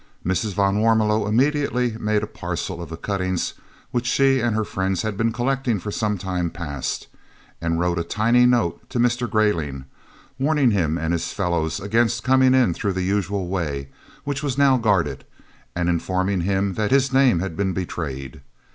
Mrs. van Warmelo immediately made a parcel of the cuttings which she and her friends had been collecting for some time past, and wrote a tiny note to Mr. Greyling, warning him and his fellows against coming in through the usual way, which was now guarded, and informing him that his name had been betrayed.